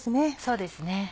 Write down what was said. そうですね。